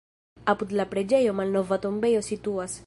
Apud la preĝejo malnova tombejo situas.